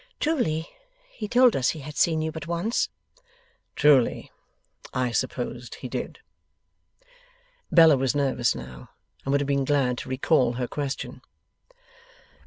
'Truly, he told us he had seen you but once.' 'Truly, I supposed he did.' Bella was nervous now, and would have been glad to recall her question.